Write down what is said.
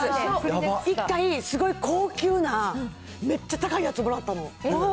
一回、すごい高級な、めっちゃ高いやつもらったの。